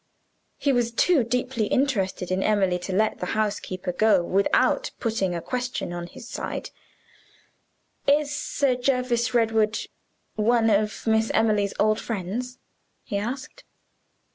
He was too deeply interested in Emily to let the housekeeper go without putting a question on his side: "Is Sir Jervis Redwood one of Miss Emily's old friends?" he asked.